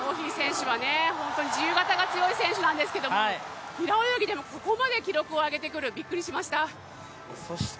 平泳ぎが強い選手ですけど平泳ぎでもここまで記録を上げてくる、びっくりしました。